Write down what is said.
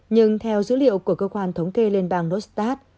nhưng theo dữ liệu của cơ quan thống kê liên bang nustad